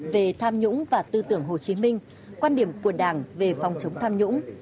về tham nhũng và tư tưởng hồ chí minh quan điểm của đảng về phòng chống tham nhũng